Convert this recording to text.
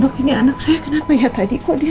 loh ini anak saya kenapa ya tadi kok dia